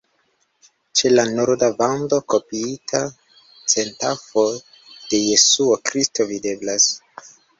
Ĉe la norda vando kopiita centafo de Jesuo Kristo videblas.